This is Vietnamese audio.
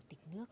chủ tịch nước